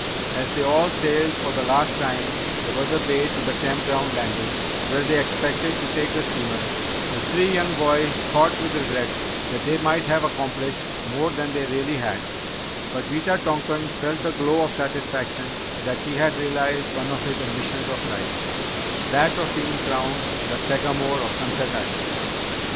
As they all sailed for the last time over the bay to the Camp Ground landing where they expected to take the steamer, the three younger boys thought with regret that they might have accomplished more than they really had, but Wita tonkan felt the glow of satisfaction that he had realised one of his ambitions of life that of being crowned the Sagamore of Sunset Island.